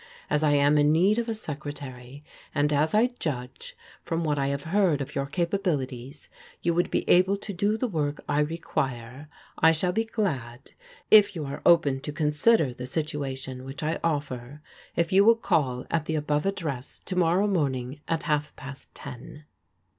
As I am in need of a secretary, and as I judge, from what I have heard of your capabilities, you would be able to do the work I require, I shall be glad (if you are open to con sider the situation which I offer) if you will call at the above address to morrow morning at half past ten.